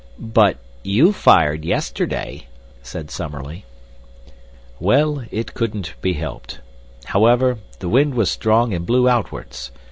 "But YOU fired yesterday," said Summerlee. "Well, it couldn't be helped. However, the wind was strong and blew outwards.